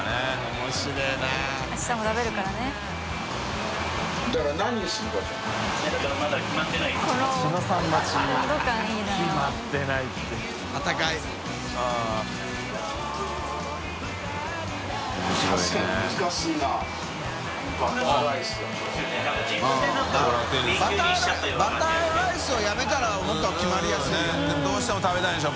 佑А任どうしても食べたいんでしょ